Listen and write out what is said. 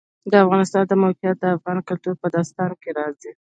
د افغانستان د موقعیت د افغان کلتور په داستانونو کې راځي.